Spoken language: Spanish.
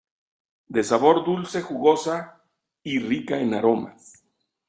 De sabor dulce jugosa, y rica en aromas.